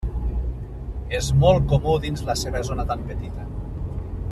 És molt comú dins de la seva zona tan petita.